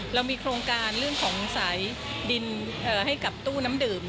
เรามีโครงการเรื่องของสายดินให้กับตู้น้ำดื่ม